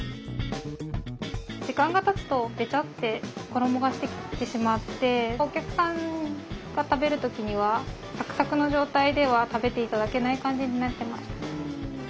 時間がたつとベチャッて衣がしてきてしまってお客さんが食べる時にはサクサクの状態では食べて頂けない感じになってました。